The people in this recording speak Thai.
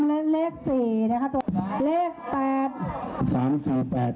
ตอนนี้ได้เลข๓เลข๔เลข๘